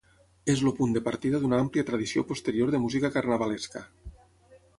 És el punt de partida d'una àmplia tradició posterior de música carnavalesca.